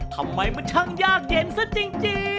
ทำไมมันช่างยากเย็นซะจริง